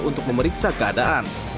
untuk memeriksa keadaan